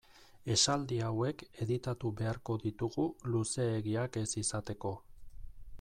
Esaldi hauek editatu beharko ditugu luzeegiak ez izateko.